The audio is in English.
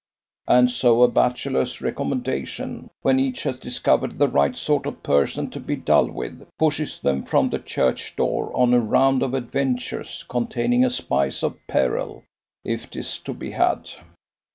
And so a bachelor's recommendation, when each has discovered the right sort of person to be dull with, pushes them from the churchdoor on a round of adventures containing a spice of peril, if 'tis to be had.